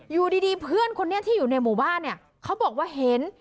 อยู่ดีเพื่อนคนนี้ที่อยู่ในหมู่บ้านเนี่ยเขาบอกว่าเห็น